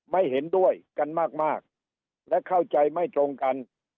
ไม่เห็นด้วยกันมากและเข้าใจไม่ตรงกัน